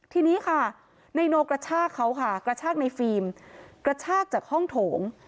ทีนี้ค่ะนายโนกระชากเขาค่ะกระชากในฟิล์มกระชากจากห้องโถง